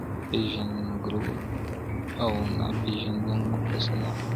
پیژندګلو او ناپیژندګلو ته سلام وکړئ.